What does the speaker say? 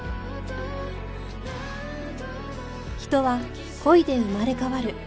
人は恋で生まれ変わる